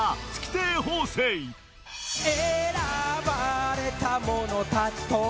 選ばれた者たちと